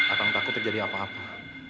akan takut terjadi apa apa